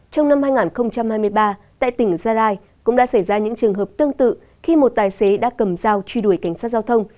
trong năm hai nghìn hai mươi ba tại tỉnh gia lai cũng đã xảy ra những trường hợp tương tự khi một tài xế đã cầm dao truy đuổi cảnh sát giao thông